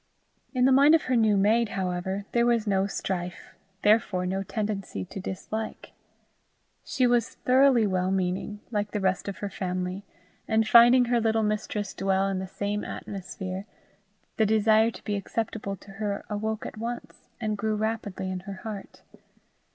In the mind of her new maid, however, there was no strife, therefore no tendency to dislike. She was thoroughly well meaning, like the rest of her family, and finding her little mistress dwell in the same atmosphere, the desire to be acceptable to her awoke at once, and grew rapidly in her heart.